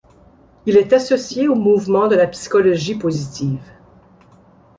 Il est associé au mouvement de la psychologie positive.